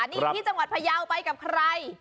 นี่ที่จังหวัดพยาวไปกับใคร